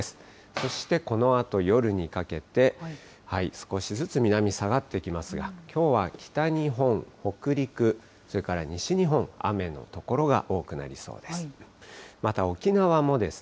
そして、このあと夜にかけて、少しずつ南に下がってきますが、きょうは北日本、北陸、それから西日本、雨の所が多くなりそうです。